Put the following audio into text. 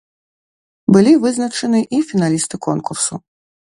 Былі вызначаны і фіналісты конкурсу.